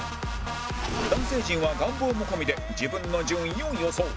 男性陣は願望も込みで自分の順位を予想